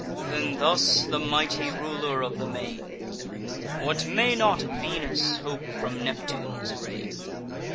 Then thus the mighty Ruler of the Main: "What may not Venus hope from Neptune's reign?